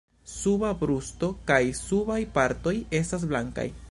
Suba brusto kaj subaj partoj estas blankaj.